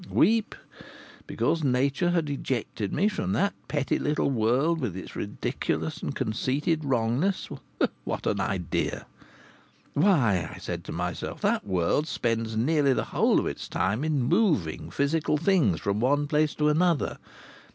Weep because nature had ejected me from that petty little world, with its ridiculous and conceited wrongness? What an idea! Why, I said to myself, that world spends nearly the whole of its time in moving physical things from one place to another.